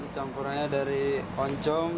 campurannya dari oncong